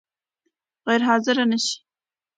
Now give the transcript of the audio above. غیر حاضر نه شې؟